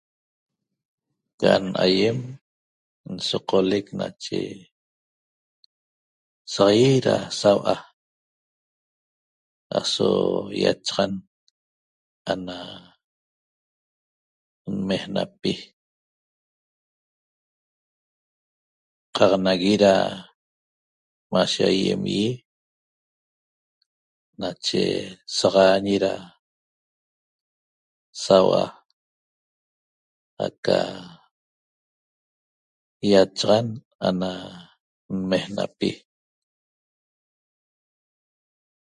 Can aýem nsoqolec nache saq ýit da sau'a aso ýachaxan ana nmejnapi qaq nagui da mashe aýem ýi nache saxaañi da sau'a aca ýachaxan ana nmejnapi